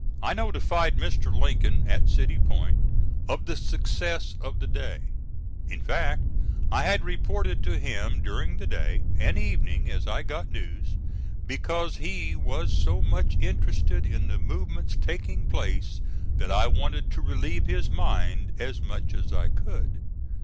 I notified Mr. Lincoln at City Point of the success of the day; in fact I had reported to him during the day and evening as I got news, because he was so much interested in the movements taking place that I wanted to relieve his mind as much as I could.